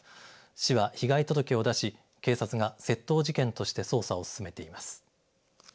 市は被害届を出し警察が窃盗事件として捜査を進めています。